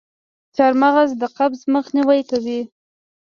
چارمغز د قبض مخنیوی کوي.